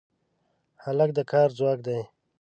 هلک د کار ځواک دی.